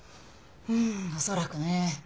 うん恐らくね。